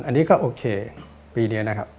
อันนี้ก็โอเคปีนี้นะครับ